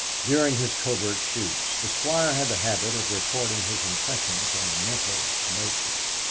During his covert shoots the Squire had the habit of recording his impressions in a mental note book.